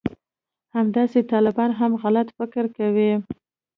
همداسې طالبان هم غلط فکر کوي